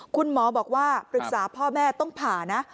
คุณหมอบอกว่าปรึกษาพ่อแม่ต้องผ่านะ